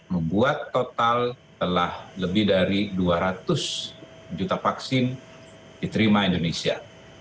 membuat total telah lebih dari dua ratus juta vaksin diterima indonesia